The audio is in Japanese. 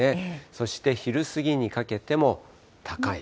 そして、昼過ぎにかけても高い。